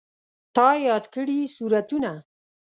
تا یاد کړي سورتونه